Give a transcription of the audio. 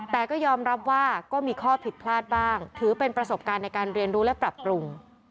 แต่ก็ยอมรับว่าก็มีข้อผิดพลาดบ้างถือเป็นประสบการณ์ในการเรียนรู้และปรับปรุง